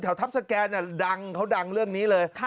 แถวทัพสแกนเนี่ยดังเขาดังเรื่องนี้เลย